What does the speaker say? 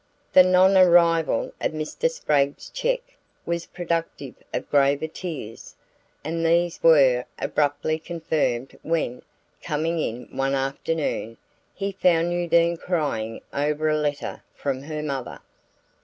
The non arrival of Mr. Spragg's cheque was productive of graver tears, and these were abruptly confirmed when, coming in one afternoon, he found Undine crying over a letter from her mother.